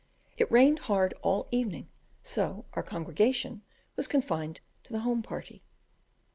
It rained hard all the evening, so our congregation was confined to the home party.